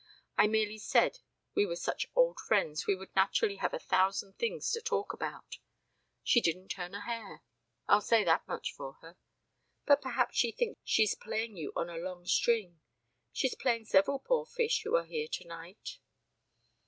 I merely said we were such old friends we would naturally have a thousand things to talk about. She didn't turn a hair; I'll say that much for her. But perhaps she thinks she's playing you on a long string. She's playing several poor fish who are here tonight."